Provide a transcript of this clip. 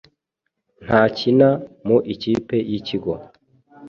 nkakina mu ikipe y'ikigo